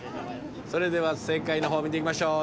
それでは正解の方見ていきましょう。